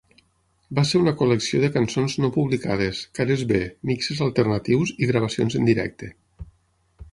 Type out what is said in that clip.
Va ser una col·lecció de cançons no publicades, cares b, mixes alternatius i gravacions en directe.